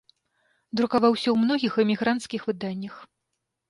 Друкаваўся ў многіх эмігранцкіх выданнях.